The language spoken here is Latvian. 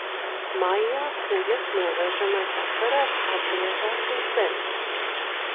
Maijā kuģa nolaižamais aparāts atgriezās uz zemes.